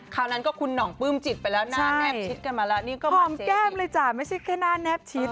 นั้นก็คุณห่องปื้มจิตไปแล้วหน้าแนบชิดกันมาแล้วนี่ก็หอมแก้มเลยจ้ะไม่ใช่แค่หน้าแนบชิด